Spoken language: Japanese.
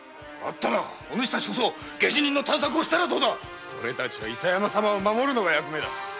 お主たちも下手人の探索をしたらどうだ我らは伊佐山様を守るのが役目だ。